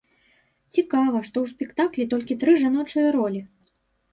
Цікава, што ў спектаклі толькі тры жаночыя ролі.